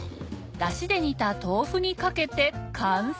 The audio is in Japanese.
出汁で煮た豆腐にかけて完成！